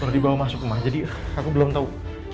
baru dibawa masuk rumah jadi aku belum tahu